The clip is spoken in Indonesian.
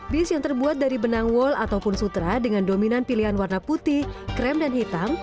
bis yang terbuat dari benang wall ataupun sutra dengan dominan pilihan warna putih krem dan hitam